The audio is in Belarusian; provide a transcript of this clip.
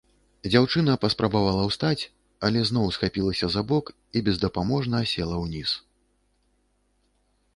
Дзяўчына паспрабавала ўстаць, але зноў схапілася за бок і бездапаможна асела ўніз.